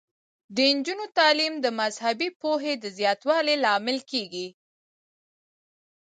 د نجونو تعلیم د مذهبي پوهې د زیاتوالي لامل کیږي.